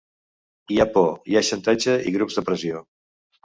Hi ha por, hi ha xantatge i grups de pressió.